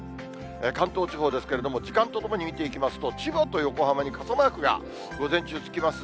関東地方ですけれども、時間とともに見ていきますと、千葉と横浜に傘マークが午前中つきますね。